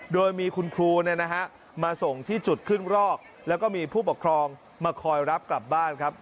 โดยมีคุณครูมาส่งที่จุดขึ้นรอกแล้วก็มีผู้ปกครองมาคอยรับกลับบ้านครับ